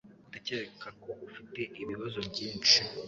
Ndakeka ko ufite ibibazo byinshi